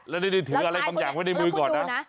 แล้วคุณดูนะ